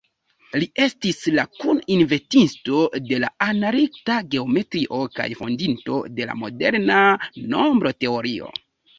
Li estis la kun-inventisto de la analitika geometrio kaj fondinto de la moderna nombroteorio.